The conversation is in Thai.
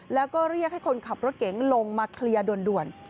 แล้วก็เรียกให้คนขับรถเก๋งลงมาเคลียร์ด่วน